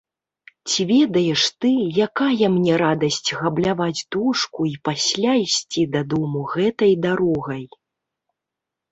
Ці ведаеш ты, якая мне радасць габляваць дошку і пасля ісці дадому гэтай дарогай.